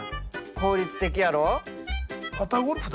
効率的やろ？